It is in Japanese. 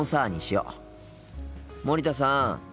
森田さん。